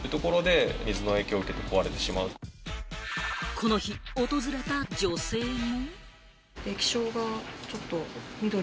この日、訪れた女性も。